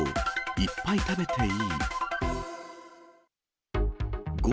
いっぱい食べていい？